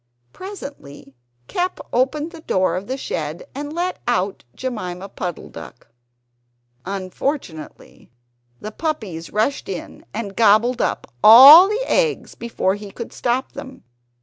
Presently Kep opened the door of the shed and let out Jemima Puddle duck. Unfortunately the puppies rushed in and gobbled up all the eggs before he could stop them.